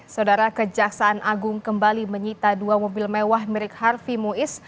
saudara kejaksaan agung kembali menyita dua mobil mewah milik harfi muiz